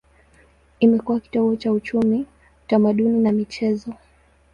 Imekuwa kitovu cha uchumi, utamaduni na michezo.